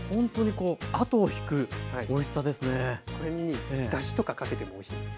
これにだしとかかけてもおいしいです。